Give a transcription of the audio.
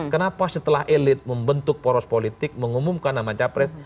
kenapa setelah elit membentuk poros politik mengumumkan nama capres